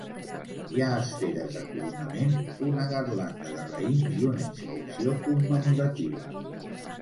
Hi ha esferes de coronament, una garlanda de raïms i una inscripció commemorativa.